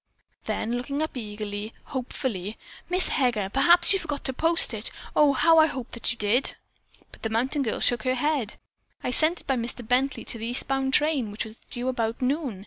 Then looking up eagerly, hopefully, "Miss Heger, perhaps you forgot to post it. Oh, how I hope that you did!" But the mountain girl shook her head. "I sent it by Mr. Bently to the eastbound train, which was due about noon.